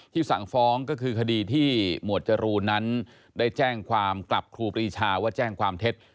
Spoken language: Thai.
สั่งฟ้องก็คือคดีที่หมวดจรูนนั้นได้แจ้งความกลับครูปรีชาว่าแจ้งความเท็จ